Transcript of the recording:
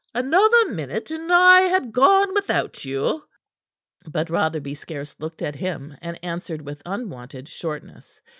"Another minute, and I had gone without you." But Rotherby scarce looked at him, and answered with unwonted shortness.